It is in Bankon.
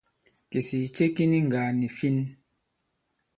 Kìsìì ce ki ni ŋgàà nì fin.